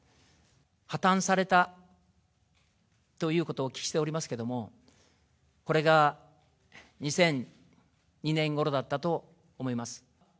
破綻されたということをお聞きしておりますけれども、これが２００２年ごろだったと思います。